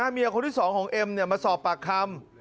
เมียคนที่๒ของเอ็มมาสอบปากคำ